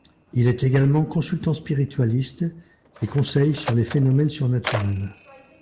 Il est également consultant spiritualiste et conseille sur les phénomènes surnaturels.